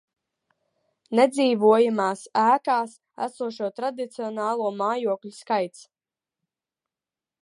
Nedzīvojamās ēkās esošo tradicionālo mājokļu skaits